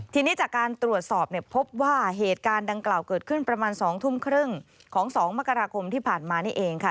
ทีนี้จากการตรวจสอบเนี่ยพบว่าเหตุการณ์ดังกล่าวเกิดขึ้นประมาณ๒ทุ่มครึ่งของ๒มกราคมที่ผ่านมานี่เองค่ะ